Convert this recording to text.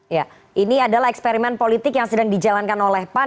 ya ini adalah eksperimen politik yang sedang dijalankan oleh pan